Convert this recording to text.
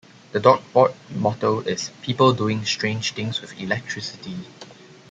The dorkbot motto is "people doing strange things with electricity".